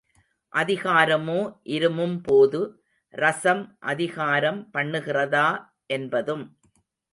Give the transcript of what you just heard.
அதிகாரமோ! இருமும்போது—ரசம் அதிகாரம் பண்ணுகிறதா—என்பதும்.